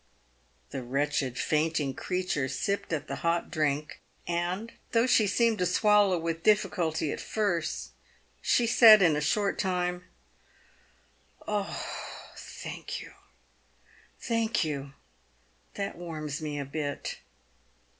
The wretched, fainting creature sipped at the hot drink, and, though she seemed to swallow with difficulty at first, she said, in a short b 2 4 PAYED WITH GOLD. time, " Oh, thank you ! thank you ! that warms me a bit."